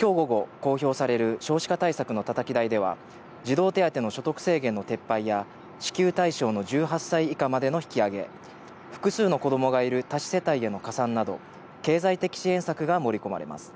今日午後、公表される少子化対策のたたき台では、児童手当の所得制限の撤廃や、支給対象の１８歳以下までの引き上げ、複数の子供がいる多子世帯への加算など、経済的支援策が盛り込まれます。